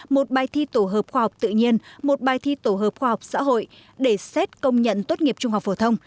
một bài thi tổ hợp khoa học tự nhiên một bài thi tổ hợp khoa học xã hội để xét công nhận tốt nghiệp trung học phổ thông